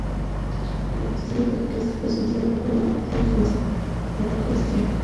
El Misterio Pascual está presente de forma más intensa en la Eucaristía.